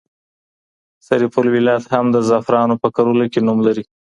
سرپل ولایت هم د زعفرانو په کرلو کې نوم لري.